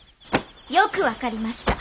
よく分かりました！